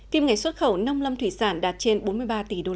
kiếm ngày xuất khẩu nông lâm thủy sản đạt trên bốn mươi ba tỷ usd